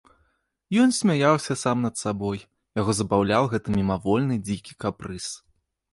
Ён смяяўся сам над сабой, яго забаўляў гэты мімавольны дзікі капрыз.